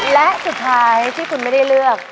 และสุดท้ายที่คุณไม่ได้เลือก